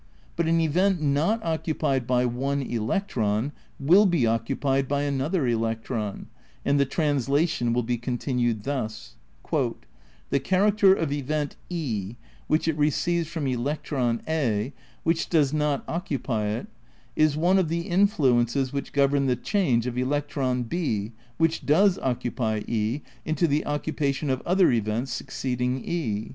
But an event not occupied by one electron will be occupied by another electron and the translation will be continued thus: "The character of event e which it receives from electron A, which does not occupy it, is one of the influences which govern the change of electron B which does occupy e into the occupation of other events succeeding e.